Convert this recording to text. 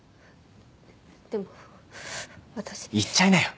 でも私言っちゃいなよ